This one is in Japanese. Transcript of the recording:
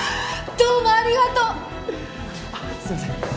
どうもありがとうあっすいません